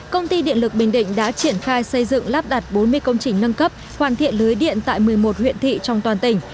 công ty điện lực bình định đã triển khai xây dựng lắp đặt bốn mươi công trình nâng cấp hoàn thiện lưới điện tại một mươi một huyện thị trong toàn tỉnh